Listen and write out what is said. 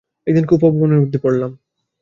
একদিন খুব অপমানের মধ্যে পড়লাম।